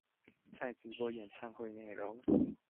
在直播演唱會內容